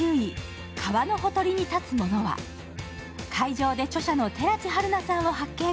会場で著者の寺地はるなさんを発見。